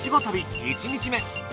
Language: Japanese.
旅１日目。